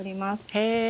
へえ。